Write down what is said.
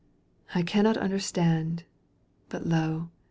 — I cannot understand. But lo